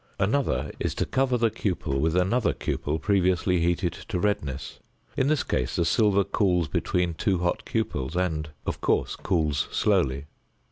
Another is to cover the cupel with another cupel previously heated to redness; in this case the silver cools between two hot cupels, and, of course, cools slowly.